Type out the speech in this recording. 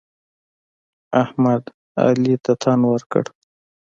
احمد؛ علي ته تن ورکړ.